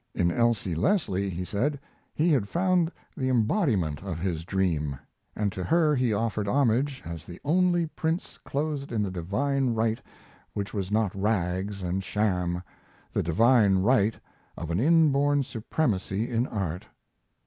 In Elsie Leslie, he said, he had found the embodiment of his dream, and to her he offered homage as the only prince clothed in a divine right which was not rags and sham the divine right of an inborn supremacy in art.